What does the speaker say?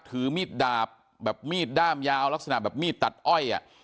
ถือมีดดาบแบบมีดด้ามยาวลักษณะแบบมีดตัดอ้อยอ่ะ